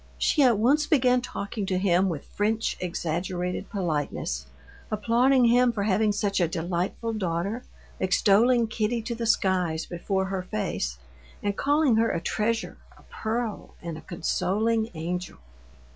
She at once began talking to him with French exaggerated politeness, applauding him for having such a delightful daughter, extolling Kitty to the skies before her face, and calling her a treasure, a pearl, and a consoling angel.